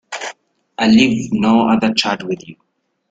I leave no other charge with you.